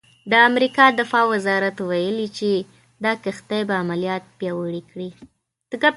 د امریکا دفاع وزارت ویلي چې دا کښتۍ به عملیات پیاوړي کړي.